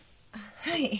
はい。